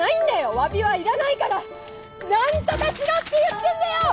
詫びはいらないから何とかしろって言ってんだよ！